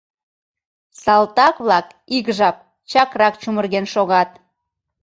Салтак-влак ик жап чакрак чумырген шогат.